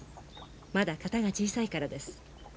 まだ型が小さいからです。